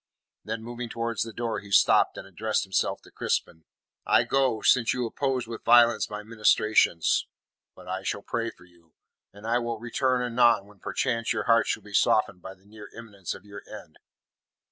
Then moving towards the door, he stopped and addressed himself to Crispin. "I go since you oppose with violence my ministrations. But I shall pray for you, and I will return anon, when perchance your heart shall be softened by the near imminence of your end."